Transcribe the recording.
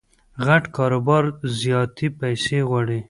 غټ کاروبار زیاتي پیسې غواړي.